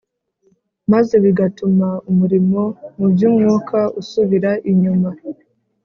maze bigatuma umurimo mu by’umwuka usubira inyuma